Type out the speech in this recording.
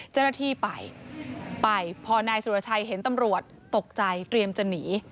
เจ้าหน้าที่ไปไปพอนายสุรชัยเห็นตำรวจตกใจเตรียมจะหนี